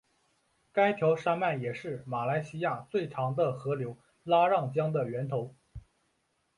该条山脉也是马来西亚最长的河流拉让江的源头。